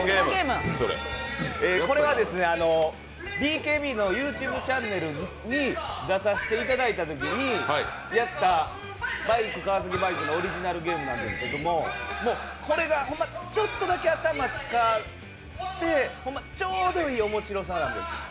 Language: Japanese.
これはですね、ＢＫＢのＹｏｕＴｕｂｅチャンネルに出させていただいたときにやったバイク川崎バイクのオリジナルゲームなんですけども、これがホンマ、ちょっとだけ頭使ってちょうどいい面白さなんです。